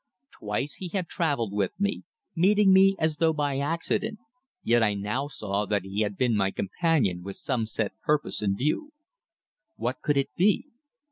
Twice he had travelled with me, meeting me as though by accident, yet I now saw that he had been my companion with some set purpose in view. What could it be?